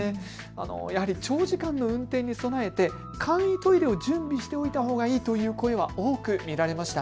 やはり長時間の運転に備えて簡易トイレを備えておいたほうがいいというのは多く見られました。